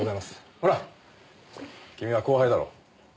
ほら君は後輩だろ？え？